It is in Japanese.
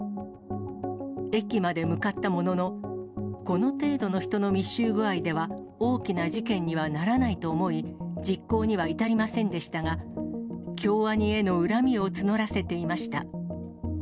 駅まで向かったものの、この程度の人の密集具合では、大きな事件にはならないと思い、実行には至りませんでしたが、京アニへの恨みをつのらせていました。